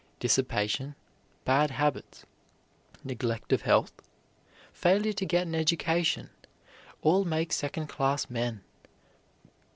Dissipation, bad habits, neglect of health, failure to get an education, all make second class men.